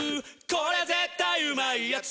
これ絶対うまいやつ」